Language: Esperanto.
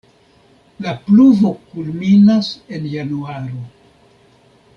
La pluvo kulminas en januaro.